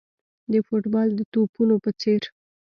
د فوټبال د توپونو په څېر.